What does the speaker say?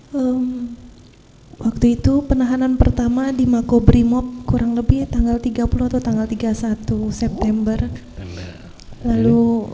hai um waktu itu penahanan pertama di makobrimob kurang lebih tanggal tiga puluh tanggal tiga puluh satu september lalu